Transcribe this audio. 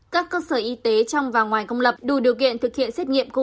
các cơ sở y tế trong và ngoài công lập đủ điều kiện thực hiện xét nghiệm covid một mươi